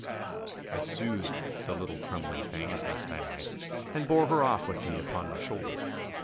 I soothed the little trembling thing as best I might, and bore her off with me upon my shoulder.